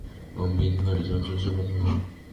অমিত ভারি চঞ্চল, সে কথা মানি।